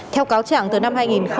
theo cáo trạng từ năm hai nghìn một mươi